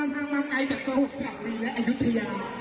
เดินทางมาไกลจากและอายุทยา